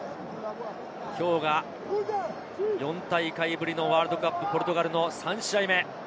きょうが４大会ぶりのワールドカップ、ポルトガルの３試合目。